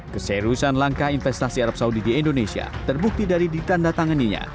keserusan langkah investasi arab saudi di indonesia terbukti dari ditanda tanganinya